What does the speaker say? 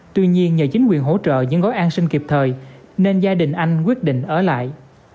tuy nhiên nhờ chính quyền hỗ trợ những gói an sinh kịp thời nên gia đình anh quyết định ở lại